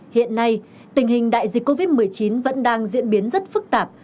hiện nay tình hình đại dịch covid một mươi chín vẫn đang diễn biến rất phức tạp